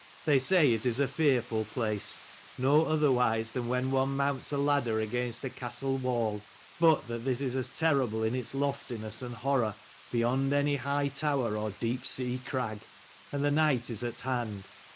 They say it is a fearful place : no otherwise than when one mounts a ladder against a castle wall: but that this is terrible in its loftiness and horror beyond any high tower or deep sea crag. And the night is at hand."